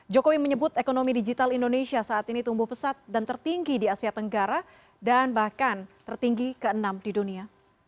jokowi menyebut ekonomi digital indonesia saat ini tumbuh pesat dan tertinggi di asia tenggara dan bahkan tertinggi ke enam di dunia